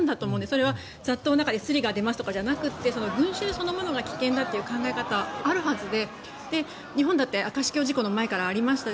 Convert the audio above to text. それは雑踏の中ですりが出ますとかそういうことじゃなくて群衆そのものが危険だという考え方はあるはずで日本だって明石橋の事故の前からありました。